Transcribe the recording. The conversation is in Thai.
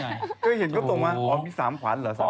ก็เห็นก็ตรงว่าอ๋อมี๓ขวัญเหรอ